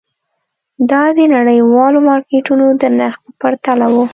دا د نړیوالو مارکېټونو د نرخ په پرتله وو.